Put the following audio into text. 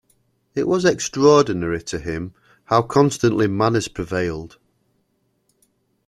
It was extraordinary to him how constantly manners prevailed.